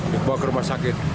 dibawa ke rumah sakit